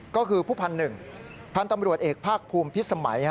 ก็คือผู้พันหนึ่งพันธุ์ตำรวจเอกภาคภูมิพิษสมัย